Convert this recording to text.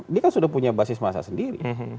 dia kan sudah punya basis masa sendiri